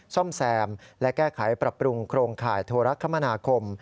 ซ่อมแซมและแก้ไขปรับปรุงโครงข่ายโทรคมนาคม